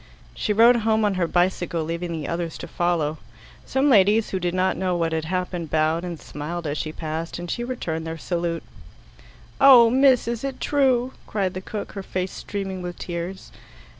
She rode home on her bicycle, leaving the others to follow. Some ladies who did not know what had happened bowed and smiled as she passed, and she returned their salute. "Oh, miss, is it true?" cried the cook, her face streaming with tears.